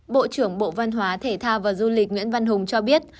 bộ trưởng bộ văn hóa thể thao và du lịch nguyễn văn hùng cho biết